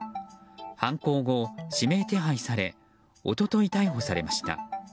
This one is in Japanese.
犯行後、指名手配され一昨日逮捕されました。